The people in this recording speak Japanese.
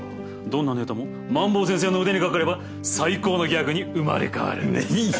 どんなネタも萬坊先生の腕にかかれば最高のギャグに生まれ変わる。